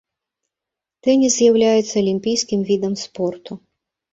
Тэніс з'яўляецца алімпійскім відам спорту.